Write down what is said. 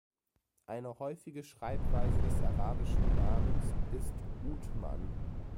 Eine häufige Schreibweise des arabischen Namens ist Uthman.